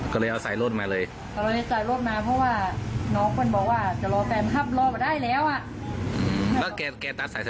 ก็เลยถามว่าก็เลยเอาว่าจะรอแฟนครับรอบ่ดได้แล้วอ่ะ